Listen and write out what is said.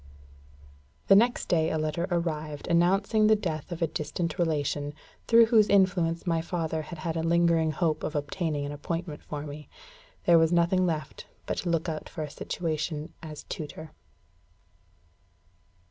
The next day a letter arrived announcing the death of a distant relation, through whose influence my father had had a lingering hope of obtaining an appointment for me. There was nothing left but to look out for a situation as tutor.